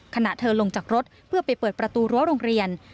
ขณะเธอลงจากรถเพื่อไปเปิดประตูรั้วโรงเรียน